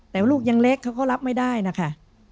แต่ลูกยังเล็กเขาก็รับไม่ได้นะคะ